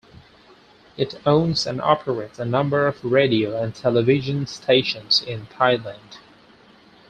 It owns and operates a number of radio and television stations in Thailand.